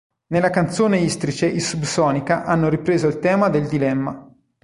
Nella canzone "Istrice" i Subsonica hanno ripreso il tema del dilemma.